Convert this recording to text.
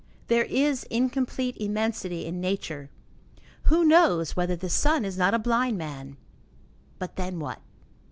There is incomplete immensity in nature. Who knows whether the sun is not a blind man? But then, what?